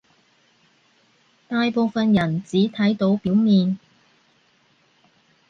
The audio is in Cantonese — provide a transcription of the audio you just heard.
大部分人只睇到表面